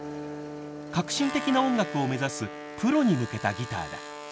革新的な音楽を目指すプロに向けたギターだ。